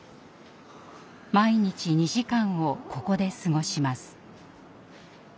毎日２時間をここで過ごします。